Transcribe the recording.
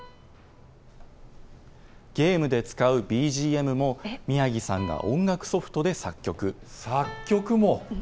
ゲームで使うＢＧＭも、宮城さんが音楽ソフトで作曲。